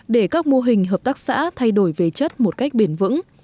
để các mô hình hợp tác xã thay đổi về chất một cách bền vững